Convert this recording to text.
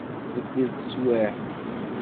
Tbeddel teswiɛt.